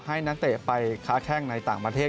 นักเตะไปค้าแข้งในต่างประเทศ